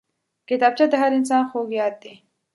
کتابچه د هر انسان خوږ یاد دی